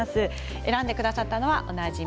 選んでくださったのはおなじみ